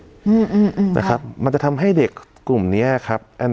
อืมนะครับมันจะทำให้เด็กกลุ่มเนี้ยครับอัน